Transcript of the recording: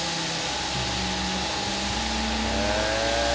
へえ！